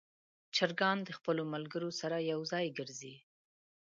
چرګان د خپلو ملګرو سره یو ځای ګرځي.